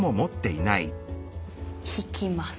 引きます。